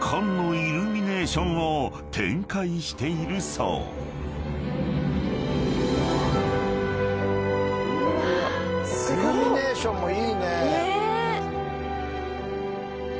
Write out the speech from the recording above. イルミネーションもいいね。